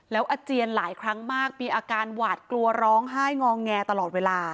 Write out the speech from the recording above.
แล้วอาเจียนหลายครั้งมากมีอาการหวาดกลัวร้องไห้งอแงตลอดเวลา